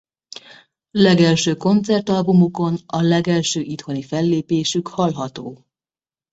Legelső koncertalbumukon a legelső itthoni fellépésük hallható.